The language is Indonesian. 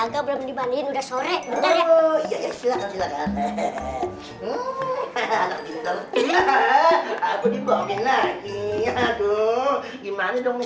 aku harus sembunyi di dalam